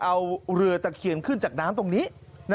เอาเรือตะเคียนขึ้นน้ำจากจุงนี้